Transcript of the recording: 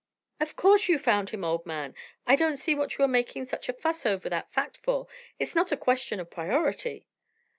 "Of course you found him, old man. I don't see what you are making such a fuss over that fact for; it's not a question of priority."